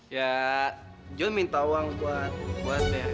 ya jom minta uang buat sks sekolah